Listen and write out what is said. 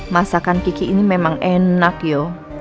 masakan kiki ini memang enak yo